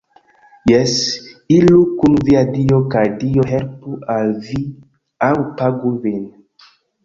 Jes, iru kun via Dio kaj Dio helpu al vi aŭ pagu vin